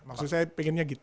maksud saya pengennya gitu